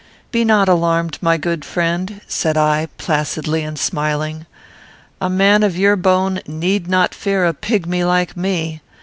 "Be not alarmed, my good friend," said I, placidly and smiling. "A man of your bone need not fear a pigmy like me.